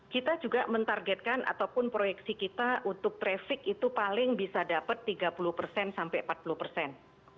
kita juga mentargetkan ataupun proyeksi kita untuk traffic itu paling bisa dapat tiga puluh persen sampai empat puluh persen